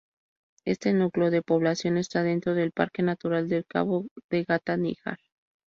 Este núcleo de población está dentro del parque natural del Cabo de Gata-Níjar.